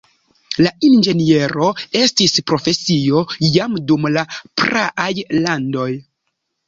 La inĝeniero estis profesio jam dum la praaj landoj.